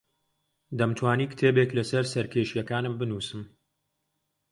دەمتوانی کتێبێک لەسەر سەرکێشییەکانم بنووسم.